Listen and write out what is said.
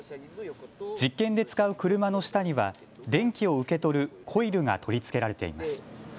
実験で使う車の下には電気を受け取るコイルが取り付けられています。